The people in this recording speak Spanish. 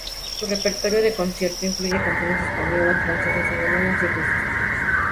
Su repertorio de concierto incluye canciones españolas, francesas, alemanas y rusas.